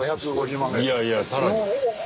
いやいや更に。